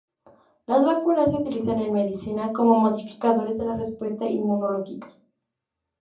Las vacunas se utilizan en medicina como modificadores de la respuesta inmunológica.